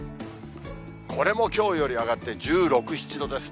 これもきょうより上がって１６、７度ですね。